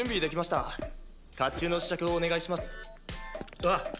ああ。